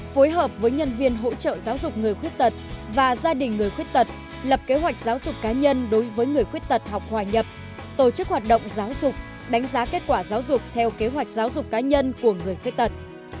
phối hợp với nhân viên hỗ trợ giáo dục người khuyết tật và gia đình người khuyết tật lập kế hoạch giáo dục cá nhân đối với người khuyết tật học hòa nhập tổ chức hoạt động giáo dục đánh giá kết quả giáo dục theo kế hoạch giáo dục cá nhân của người khuyết tật